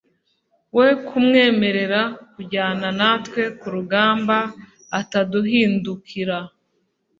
we kumwemerera kujyana natwe ku rugamba ataduhindukira